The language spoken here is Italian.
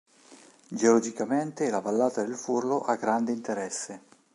Geologicamente la vallata del Furlo ha grande interesse.